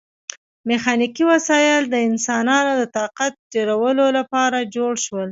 میخانیکي وسایل د انسانانو د طاقت ډیرولو لپاره جوړ شول.